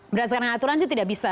berdasarkan aturan sih tidak bisa